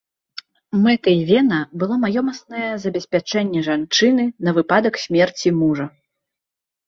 Мэтай вена было маёмаснае забеспячэнне жанчыны на выпадак смерці мужа.